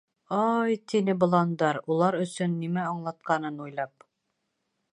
А-й-й! — тине боландар, улар өсөн нимә аңлатҡанын уйлап.